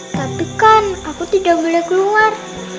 tapi kan aku tidak boleh keluar